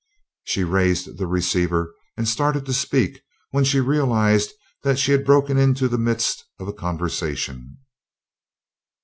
She raised the receiver and started to speak when she realized that she had broken into the midst of a conversation.